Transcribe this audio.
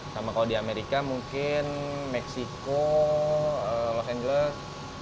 sama kalau di amerika mungkin meksiko los angeles